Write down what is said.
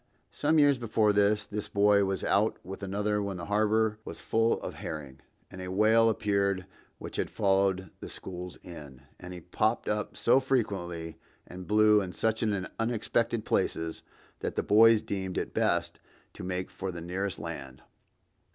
Some years before that, this boy was out with another when the harbor was full of herring, and a whale appeared which had followed the schools in. And he popped up so frequently and blew in such unexpected places that the boys deemed it best to make for the nearest land.